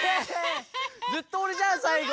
ずっとおれじゃんさいご！